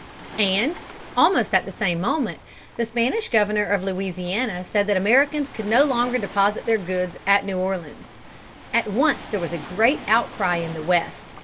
And almost at the same moment the Spanish governor of Louisiana said that Americans could no longer deposit their goods at New Orleans (p. 170). At once there was a great outcry in the West.